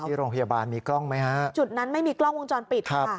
ที่โรงพยาบาลมีกล้องไหมฮะจุดนั้นไม่มีกล้องวงจรปิดค่ะ